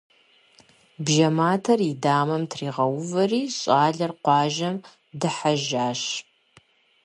Бжьэ матэр и дамэм тригъэувэри, щӏалэр къуажэм дыхьэжащ.